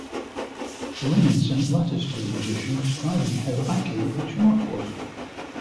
The women sent letters to the magician describing how accurate the chart was.